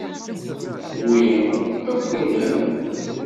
Wi akk nnem?